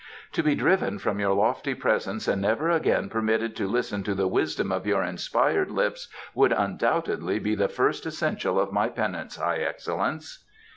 "To be driven from your lofty presence and never again permitted to listen to the wisdom of your inspired lips would undoubtedly be the first essential of my penance, High Excellence."